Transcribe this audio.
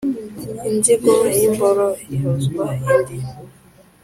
inzigo y’imboro ihozwa indi